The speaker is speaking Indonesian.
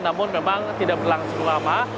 namun memang tidak berlangsung lama